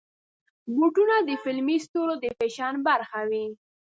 بوټونه د فلمي ستورو د فیشن برخه وي.